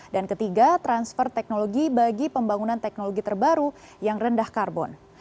dan ketiga transfer teknologi bagi pembangunan teknologi terbaru yang rendah karbon